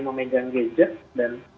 memegang gadget dan